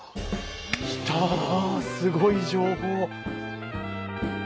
来たすごい情報！